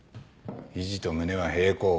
肘と胸は平行。